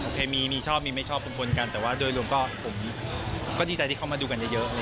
โอเคมีชอบมีไม่ชอบบนกันแต่ว่าโดยรวมก็ดีใจที่เข้ามาดูกันเยอะ